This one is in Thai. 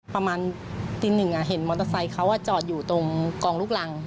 ประมาณตีหนึ่งเห็นมอเตอร์ไซค์เขาจอดอยู่ตรงกองลูกรัง